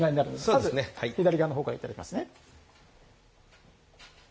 まず左側のほうからいただきますね。